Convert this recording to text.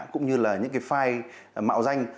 cũng như là những cái file mạo danh